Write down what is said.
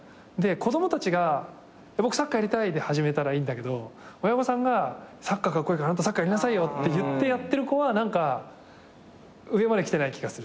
子供たちが「僕サッカーやりたい」で始めたらいいんだけど親御さんが「サッカーカッコイイからあんたサッカーやりなさいよ」って言ってやってる子は何か上まで来てない気がする。